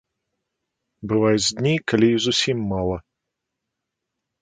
Бываюць дні, калі і зусім мала.